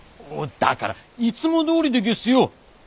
だからいつもどおりでげすよ！